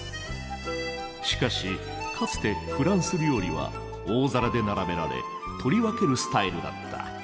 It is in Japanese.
しかしかつてフランス料理は大皿で並べられ取り分けるスタイルだった。